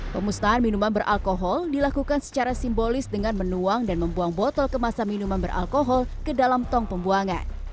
pemusnahan minuman beralkohol dilakukan secara simbolis dengan menuang dan membuang botol kemasan minuman beralkohol ke dalam tong pembuangan